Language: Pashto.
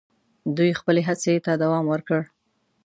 دوی خپلي هڅي ته دوم ورکړ.